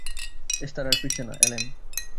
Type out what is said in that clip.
Esther আর ফিরছে না, অ্যালেন।